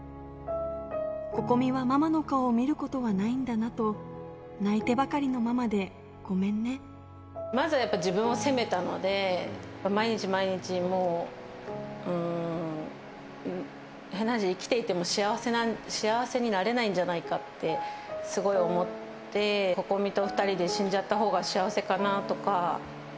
心々咲はママの顔を見ることはないんだなと、泣いてばかりのママまずはやっぱり自分を責めたので、毎日毎日、もう、変な話、生きていても幸せになれないんじゃないかってすごい思って、心々咲と２人で死んじゃったほうが幸せかなとか。